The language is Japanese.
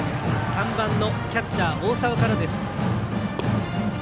３番のキャッチャー大澤からです。